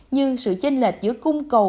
như sự chênh lệch giữa cung cầu